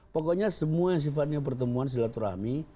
pokoknya semua sifatnya pertemuan silaturahmi